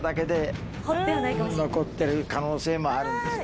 残ってる可能性もあるんです。